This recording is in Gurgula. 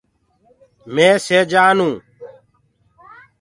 مي سيجآن هونٚ۔